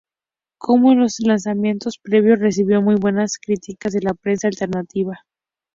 Como en los lanzamientos previos, recibió muy buenas críticas de la prensa alternativa.